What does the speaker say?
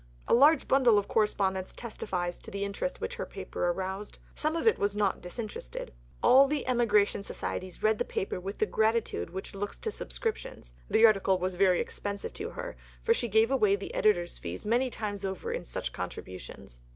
A large bundle of correspondence testifies to the interest which her paper aroused. Some of it was not disinterested. All the emigration societies read the paper with the gratitude which looks to subscriptions. The article was very expensive to her; for she gave away the editor's fee many times over in such contributions.